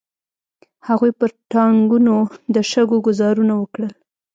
هغوی پر ټانګونو د شګو ګوزارونه وکړل.